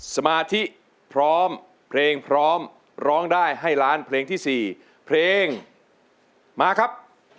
สมาธิพร้อมเพลงพร้อมร้องได้ให้ล้านเพลงที่๔เพลงมาครับ